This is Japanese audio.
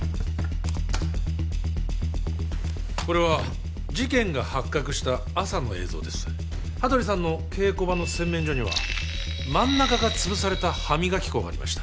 これは事件が発覚した朝の映像です羽鳥さんの稽古場の洗面所には真ん中が潰された歯磨き粉がありました